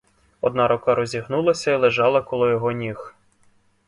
Одна рука розігнулася й лежала коло його ніг.